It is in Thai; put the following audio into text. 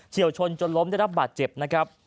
วชนจนล้มได้รับบาดเจ็บนะครับ